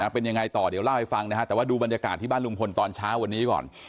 เป็นยังไงต่อเดี๋ยวเล่าให้ฟังนะฮะแต่ว่าดูบรรยากาศที่บ้านลุงพลตอนเช้าวันนี้ก่อน